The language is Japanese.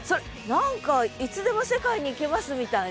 何か「いつでも世界に行きます」みたいな。